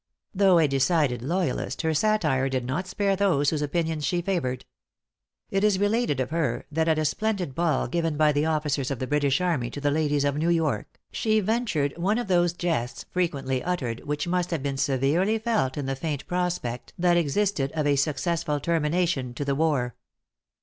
Though a decided loyalist, her satire did not spare those whose opinions she favored. It is related of her, that at a splendid ball given by the officers of the British army to the ladies of New York, she ventured one of those jests frequently uttered, which must have been severely felt in the faint prospect that existed of a successful termination to the war.